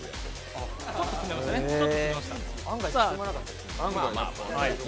案外進まなかったです。